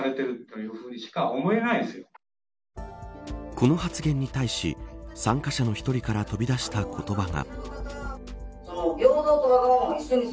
この発言に対し、参加者の１人から飛び出した言葉が。